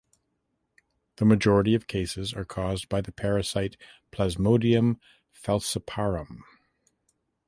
The majority of cases are caused by the parasite "Plasmodium falciparum".